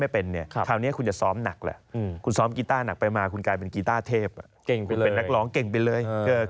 เป็นนักร้องเก่งไปเลย